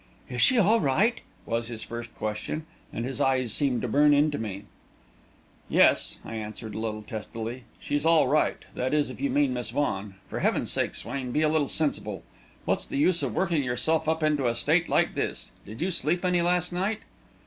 "Is she all right?" was his first question, and his eyes seemed to burn into me. "Yes," I answered a little testily, "she's all right that is, if you mean Miss Vaughan. For heaven's sake, Swain, be a little sensible. What's the use of working yourself up into a state like this! Did you sleep any last night?"